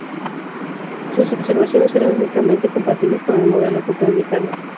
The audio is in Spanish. Sus observaciones eran únicamente compatibles con el modelo copernicano.